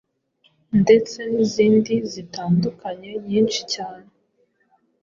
ndetse n’izindi zitandukanye nyinshi cyane.